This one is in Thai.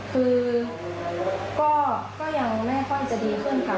คือก็ยังไม่ค่อยจะดีขึ้นค่ะ